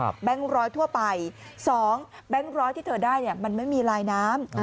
แบงค์ร้อยทั่วไปสองแบงค์ร้อยที่เธอได้เนี่ยมันไม่มีลายน้ำ